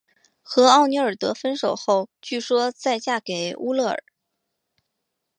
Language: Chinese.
和尼奥尔德分手后据说再嫁给乌勒尔。